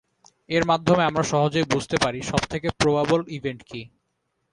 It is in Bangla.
এর মাধ্যমে আমরা সহজেই বুঝতে পারি সবথেকে প্রবাবল ইভেন্ট কি?